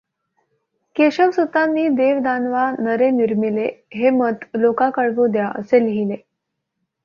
केशवसुतांनी देव दानवा नरें निर्मिलें, हे मत लोका कळवूं द्या असे लिहिले.